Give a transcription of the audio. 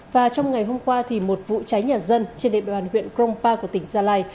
và trong ngày hôm qua thì một vụ cháy nhà dân trên đệm đoàn huyện grong pa của tỉnh gia lai